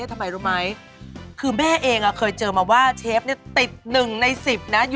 ทำไมรู้ไหมคือแม่เองเคยเจอมาว่าเชฟเนี่ยติด๑ใน๑๐นะ